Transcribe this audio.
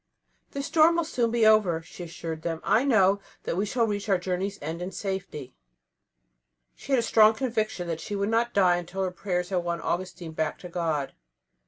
"The storm will soon be over," she assured them; "I know that we shall reach our journey's end in safety." She had a strong conviction that she would not die until her prayers had won Augustine back to God.